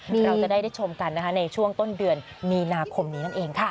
เราจะได้ชมกันนะคะในช่วงต้นเดือนมีนาคมนี้นั่นเองค่ะ